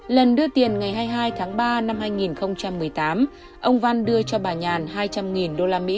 lần đưa tiền ngày hai mươi hai tháng ba năm hai nghìn một mươi tám ông văn đưa cho bà nhàn hai trăm linh usd